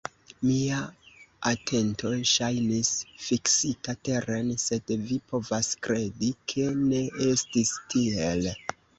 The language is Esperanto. Mia atento ŝajnis fiksita teren, sed vi povas kredi, ke ne estis tiel.